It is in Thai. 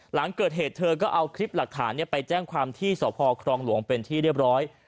หลังเกิดเหตุเธอก็เอาคลิปหลักฐานไปแจ้งความที่สพครองหลวงเป็นที่เรียบร้อย